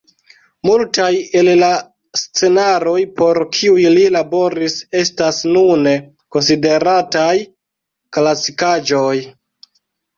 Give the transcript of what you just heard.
Multaj el la scenaroj por kiuj li laboris estas nune konsiderataj klasikaĵoj.